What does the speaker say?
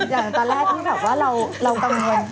อย่างตอนแรกที่แบบว่าเรากังวล